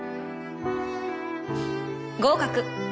合格。